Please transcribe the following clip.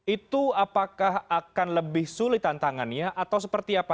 itu apakah akan lebih sulit tantangannya atau seperti apa